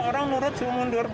semua orang menurut semua mundur